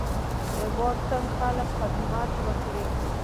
هېواد ته تل خدمت وکړئ